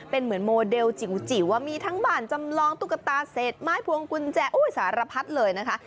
เป็นเหมือนโมเดลจิ๋วมีทั้งบ่านจำลองตุ๊กตาเศษไม้พวงกุญแจสารพัดเลยนะคะ